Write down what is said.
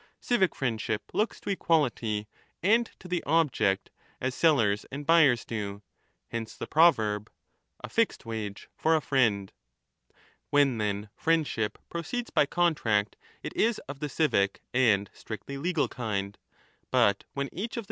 Civic friendship looks to equality and to the object as sellers and buyers do ; hence the proverb ' a fixed wage for a friend '. is When, then, friendship proceeds by contract, it is of the civic and strictly legal kind ;^ but when each of the two parties 21 1243^ 14 = E.